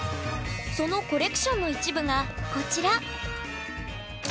そのコレクションの一部がこちら。